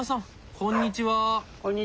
こんにちは。